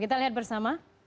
kita lihat bersama